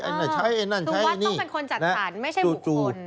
คือวัดต้องเป็นคนจัดสรรไม่ใช่บุคคล